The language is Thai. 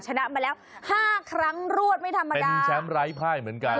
ชนะมาแล้วห้าครั้งรวดไม่ธรรมดาคือแชมป์ไร้ภายเหมือนกัน